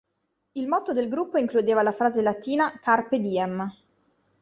Il motto del gruppo includeva la frase latina "Carpe diem!